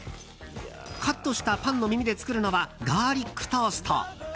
カットしたパンの耳で作るのはガーリックトースト。